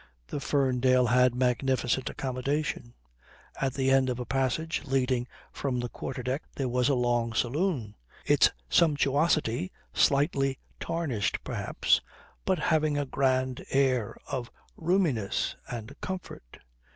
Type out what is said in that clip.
"The Ferndale had magnificent accommodation. At the end of a passage leading from the quarter deck there was a long saloon, its sumptuosity slightly tarnished perhaps, but having a grand air of roominess and comfort.